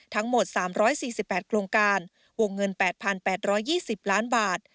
ทั้งหมด๓๔๘โครงการวงเงิน๘๘๒๐ล้านบาท